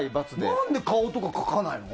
何で顔とか描かないの？